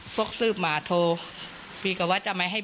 เพัอแหมเขาโทรใช่ไหม